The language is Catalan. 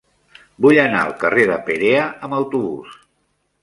Vull anar al carrer de Perea amb autobús.